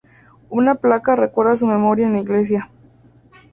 Una placa recuerda su memoria en la iglesia.